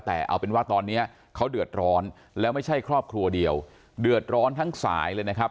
แต่เอาเป็นว่าตอนนี้เขาเดือดร้อนแล้วไม่ใช่ครอบครัวเดียวเดือดร้อนทั้งสายเลยนะครับ